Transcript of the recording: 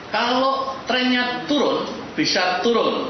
kalau trennya turun bisa turun